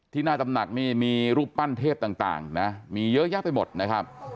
หน้าตำหนักนี่มีรูปปั้นเทพต่างนะมีเยอะแยะไปหมดนะครับ